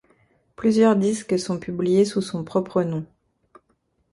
Plusieurs disques sont publiés sous son propre nom.